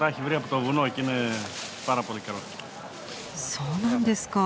そうなんですか。